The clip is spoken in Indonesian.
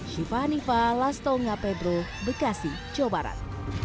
syifa nifa lastol nga pedro bekasi jawa barat